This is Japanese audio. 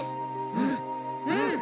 うんうん！